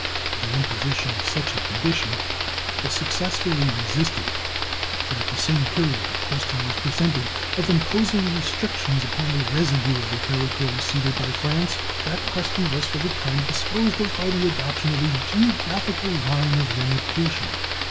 The imposition of such a condition was successfully resisted; but at the same period the question was presented of imposing restrictions upon the residue of the territory ceded by France. That question was for the time disposed of by the adoption of a geographical line of limitation.